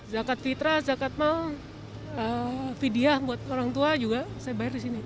zakat fitrah zakat mah vidyah buat orang tua juga saya bayar di sini